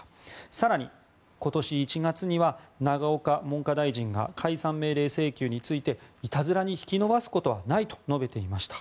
更に今年１月には永岡文科大臣が解散命令請求についていたずらに引き延ばすことはないと述べていました。